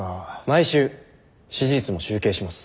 毎週支持率も集計します。